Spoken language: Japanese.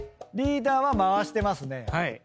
リーダーは回してますね。